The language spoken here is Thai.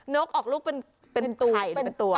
นกออกลูกเป็นไข่เป็นตัว